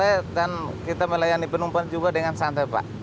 saya dan kita melayani penumpang juga dengan santai pak